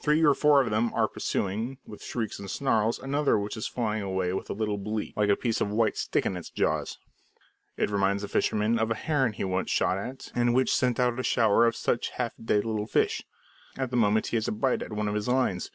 Three or four of them are pursuing, with shrieks and snarls, another which is flying away with a little bleak, like a piece of white stick in its jaws. It reminds the fisherman of a heron he once shot at, and which sent out a shower of such half dead little fish. At that moment he has a bite at one of his lines.